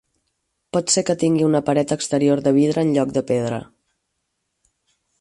Pot ser que tingui una paret exterior de vidre en lloc de pedra.